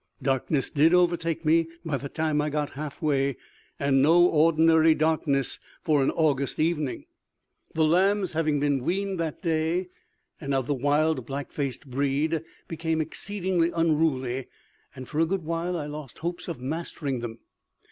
Darkness did overtake me by the time I got half way, and no ordinary darkness for an August evening. The lambs having been weaned that day, and of the wild black faced breed, became exceedingly unruly, and for a good while I lost hopes of mastering them.